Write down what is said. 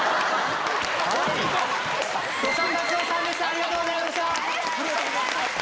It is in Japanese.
ありがとうございます！